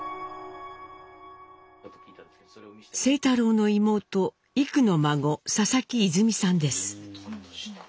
清太郎の妹幾の孫佐々木いづみさんです。